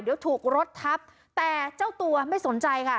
เดี๋ยวถูกรถทับแต่เจ้าตัวไม่สนใจค่ะ